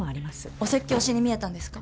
お説教しに見えたんですか？